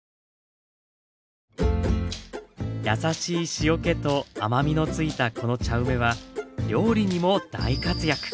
やさしい塩けと甘みのついたこの茶梅は料理にも大活躍。